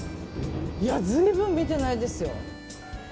随分見てないですよ。